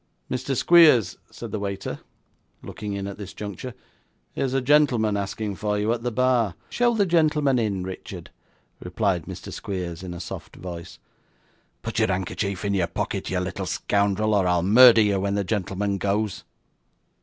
'Mr. Squeers,' said the waiter, looking in at this juncture; 'here's a gentleman asking for you at the bar.' 'Show the gentleman in, Richard,' replied Mr. Squeers, in a soft voice. 'Put your handkerchief in your pocket, you little scoundrel, or I'll murder you when the gentleman goes.